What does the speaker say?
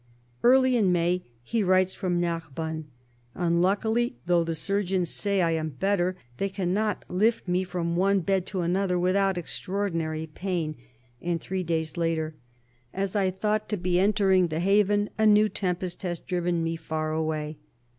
Early in May he writes from Narbonne :" Unluckily, though the surgeons say I am better, they cannot lift me from one bed to another without extraordinary pain "; and three days later :" As I thought to be entering the haven, a new tempest has driven me far away."